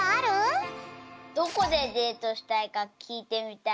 どこでデートしたいかきいてみたい。